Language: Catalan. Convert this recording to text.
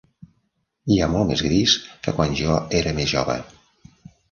Hi ha molt més gris que quan jo era més jove.